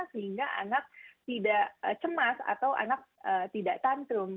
sehingga anak tidak cemas atau anak tidak tantrum